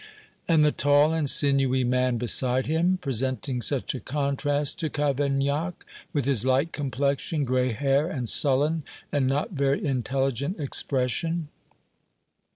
"And the tall and sinewy man beside him, presenting such a contrast to Cavaignac, with his light complexion, gray hair, and sullen and not very intelligent expression?"